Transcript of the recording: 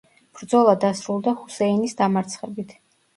ბრძოლა დასრულდა ჰუსეინის დამარცხებით.